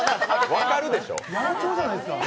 分かるでしょ？